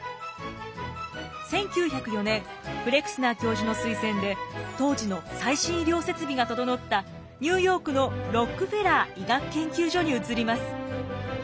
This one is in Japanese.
１９０４年フレクスナー教授の推薦で当時の最新医療設備が整ったニューヨークのロックフェラー医学研究所に移ります。